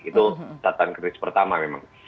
itu tatan kris pertama memang